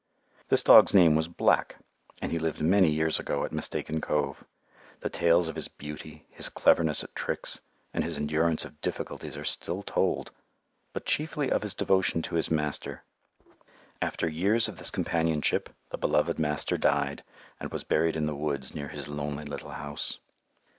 This dog's name was "Black," and he lived many years ago at Mistaken Cove. The tales of his beauty, his cleverness at tricks, and his endurance of difficulties are still told, but chiefly of his devotion to his master. After years of this companionship the beloved master died and was buried in the woods near his lonely little house.